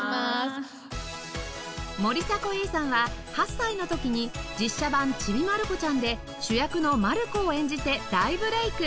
森迫永依さんは８歳の時に実写版『ちびまる子ちゃん』で主役のまる子を演じて大ブレイク